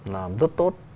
làm rất tốt